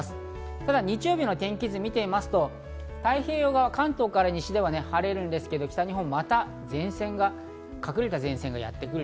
ただ日曜日の天気図を見てみますと太平洋側、関東から西では晴れるんですが、北日本はまた隠れた前線がやってくる。